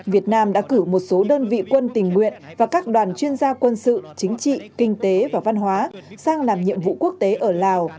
việt nam đã cử một số đơn vị quân tình nguyện và các đoàn chuyên gia quân sự chính trị kinh tế và văn hóa sang làm nhiệm vụ quốc tế ở lào